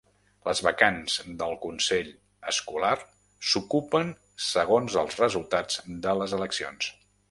Les vacants del consell escolar s'ocupen segons els resultats de les eleccions.